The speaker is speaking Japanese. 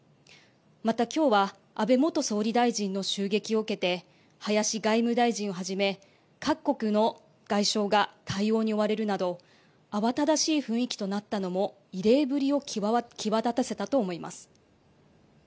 また、きょうは安倍元総理大臣の襲撃を受けて林外務大臣をはじめ各国の外相が対応に追われるなど慌ただしい雰囲気となったのも異例ぶりを際立たせたと思います。